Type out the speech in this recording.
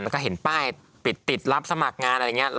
แล้วก็เห็นป้ายปิดติดรับสมัครงานอะไรอย่างนี้